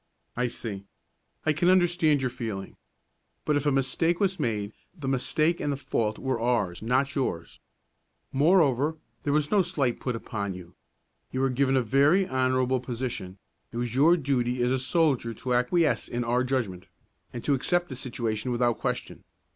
"I see. I can understand your feeling. But if a mistake was made, the mistake and the fault were ours, not yours. Moreover, there was no slight put upon you. You were given a very honorable position; it was your duty as a soldier to acquiesce in our judgment, and to accept the situation without question.